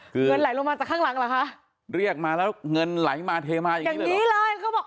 คือเงินไหลลงมาจากข้างหลังเหรอคะเรียกมาแล้วเงินไหลมาเทมาอย่างนี้เลยเขาบอก